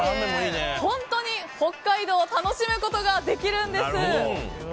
本当に北海道を楽しむことができるんです。